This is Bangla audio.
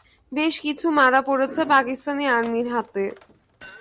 বেশ কিছু মারা পড়েছে পাকিস্তানি আর্মির হাতে।